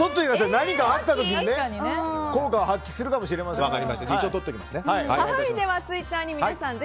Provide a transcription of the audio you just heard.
何かあった時に効果を発揮するかもしれませんから。